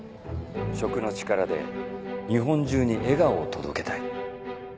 食の力で日本中に笑顔を届けたい。